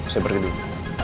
saya pergi dulu